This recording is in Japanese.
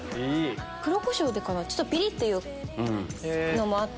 黒コショウでかなちょっとピリっていうのもあって。